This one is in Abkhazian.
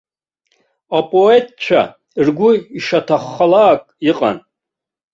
Апоетцәа ргәы ишаҭаххалак иҟан.